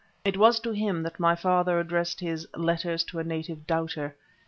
It was to him that my father addressed his "Letters to a Native Doubter."